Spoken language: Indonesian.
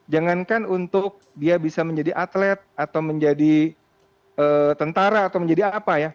jangankan untuk dia bisa menjadi atlet atau menjadi tentara atau menjadi apa ya